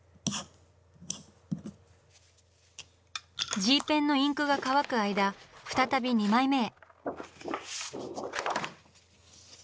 Ｇペンのインクが乾く間再び２枚目へ。